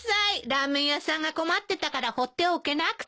ラーメン屋さんが困ってたからほっておけなくて。